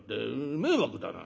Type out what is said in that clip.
迷惑だな。